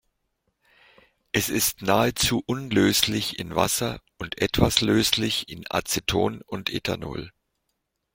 Es ist nahezu unlöslich in Wasser und etwas löslich in Aceton und Ethanol.